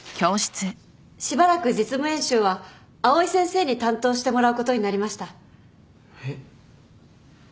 しばらく実務演習は藍井先生に担当してもらうことになりました。えっ？どうして？